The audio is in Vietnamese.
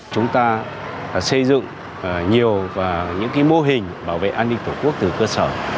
chúng ta xây dựng nhiều những mô hình bảo vệ an ninh tổ quốc từ cơ sở